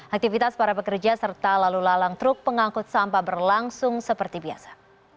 aktivitas para pekerja serta lalu lalang truk pengangkut sampah berlangsung seperti biasa